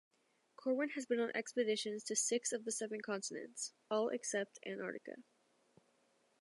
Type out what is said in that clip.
Corwin has been on expeditions to six of the seven continents-all except Antarctica.